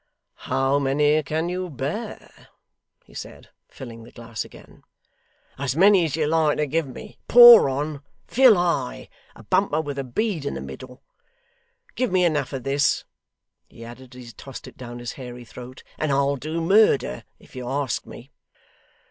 'How many can you bear?' he said, filling the glass again. 'As many as you like to give me. Pour on. Fill high. A bumper with a bead in the middle! Give me enough of this,' he added, as he tossed it down his hairy throat, 'and I'll do murder if you ask me!